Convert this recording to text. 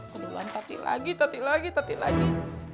kedua tati lagi tati lagi tati lagi